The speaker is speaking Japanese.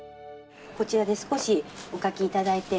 こちらで少しお書き頂いて。